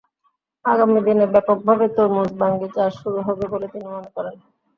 আগামী দিনে ব্যাপকভাবে তরমুজ-বাঙ্গি চাষ শুরু হবে বলে তিনি মনে করেন।